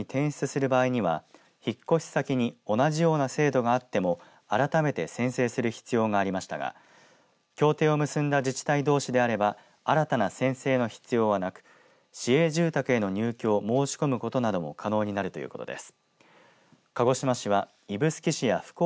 これまでは市外に転出する場合には引っ越し先に同じような制度があっても改めて宣誓する必要がありましたが協定を結んだ自治体どうしであれば新たな宣誓の必要はなく市営住宅への入居を申し込むことなども可能になるということです。